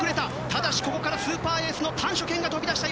ただしここからスーパーエース丹所健が飛び出した。